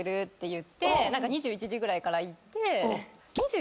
言って２１時ぐらいから行って。